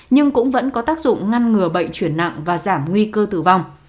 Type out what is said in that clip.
nhưng cũng vẫn có tác dụng ngăn ngừa bệnh chuyển nặng và giảm nguy cơ tử vong